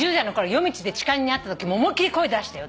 夜道で痴漢に遭ったときも思いっきり声出したよ